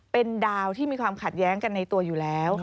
เป็นดาวที่มีความขัดแย้งกันในตัวอยู่แล้ว